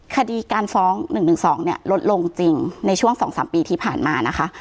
คดีการฟ้อง๑๑๒เนี่ยลดลงจริงในช่วง๒๓ปีที่ผ่านมานะคะ